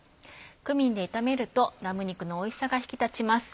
クミンで炒めるとラム肉のおいしさが引き立ちます。